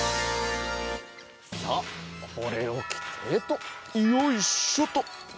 さあこれをきてとよいしょと。